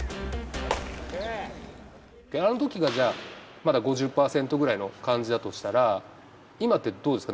あのときがじゃあ、まだ５０％ぐらいの感じだとしたら、今ってどうですか？